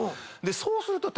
そうすると。